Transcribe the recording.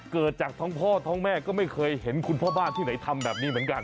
เกิดจากท้องพ่อท้องแม่ก็ไม่เคยเห็นคุณพ่อบ้านที่ไหนทำแบบนี้เหมือนกัน